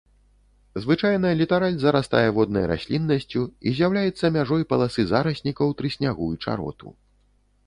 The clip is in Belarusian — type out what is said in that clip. Звычайна літараль зарастае воднай расліннасцю і з'яўляецца мяжой паласы зараснікаў трыснягу і чароту.